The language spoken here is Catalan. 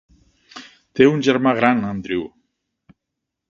Té un germà gran, Andrew.